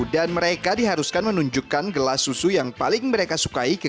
dan mereka diharuskan menunjukkan gelas susu yang lebih unggul